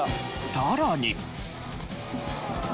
さらに。